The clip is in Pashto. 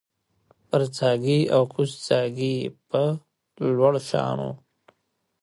برڅاګی او کوزڅاګی یې په لوړ شان و